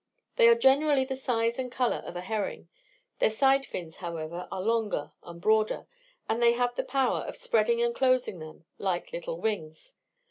They are generally of the size and colour of a herring; their side fins, however, are longer and broader, and they have the power of spreading and closing them like little wings.